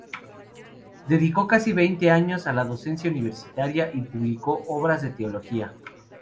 Dedicó casi veinte años a la docencia universitaria y publicó obras de teología.